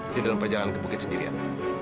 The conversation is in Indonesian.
di dalam perjalanan ke bukit sendirian